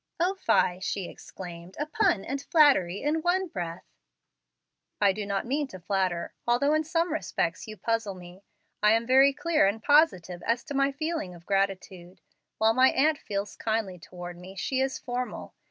"O, fie!" she exclaimed, "a pun and flattery in one breath!" "I do not mean to flatter. Although in some respects you puzzle me, I am very clear and positive as to my feeling of gratitude. While my aunt feels kindly toward me, she is formal.